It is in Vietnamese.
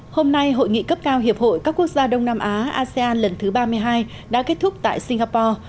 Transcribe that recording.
hôm nay hội nghị cấp cao hiệp hội các quốc gia đông nam á asean lần thứ ba mươi hai đã kết thúc tại singapore